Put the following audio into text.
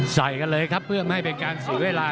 ใส่กันเลยครับเพื่อไม่ให้เป็นการเสียเวลา